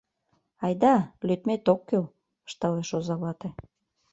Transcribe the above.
— Айда, лӱдмет ок кӱл, — ышталеш оза вате.